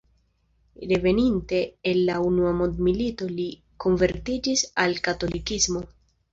Reveninte el la unua mondmilito li konvertiĝis al katolikismo.